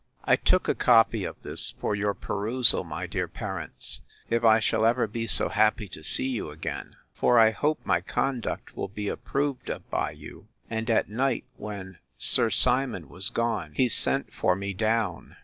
I took a copy of this for your perusal, my dear parents, if I shall ever be so happy to see you again; (for I hope my conduct will be approved of by you;) and at night, when Sir Simon was gone, he sent for me down.